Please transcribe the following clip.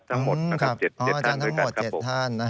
ทั้งหมด๗ท่าน